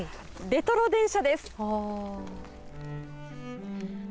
レトロ電車です。